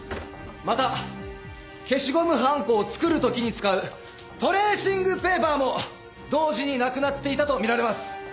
また消しゴムはんこを作る時に使うトレーシングペーパーも同時になくなっていたと見られます。